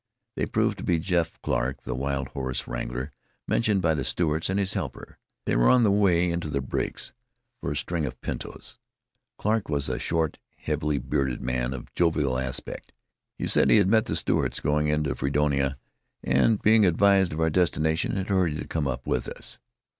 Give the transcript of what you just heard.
They proved to be Jeff Clarke, the wild horse wrangler mentioned by the Stewarts, and his helper. They were on the way into the breaks for a string of pintos. Clarke was a short, heavily bearded man, of jovial aspect. He said he had met the Stewarts going into Fredonia, and being advised of our destination, had hurried to come up with us.